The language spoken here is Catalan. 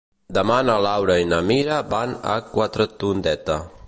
Demà na Laura i na Mira van a Quatretondeta.